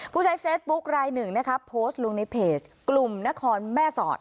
ผู้ใช้เฟซบุ๊คลายหนึ่งนะคะโพสต์ลงในเพจกลุ่มนครแม่สอด